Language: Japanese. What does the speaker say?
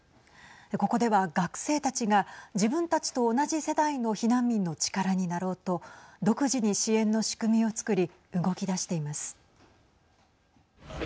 ここでは学生たちが自分たちと同じ世代の避難民の力になろうと独自に支援の仕組みをつくり動き出しています。